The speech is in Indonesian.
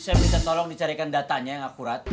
saya minta tolong dicarikan datanya yang akurat